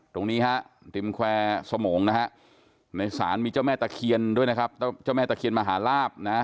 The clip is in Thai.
ตรงนี้ฮะริมแควร์สมงนะฮะในศาลมีเจ้าแม่ตะเคียนด้วยนะครับเจ้าแม่ตะเคียนมหาลาบนะ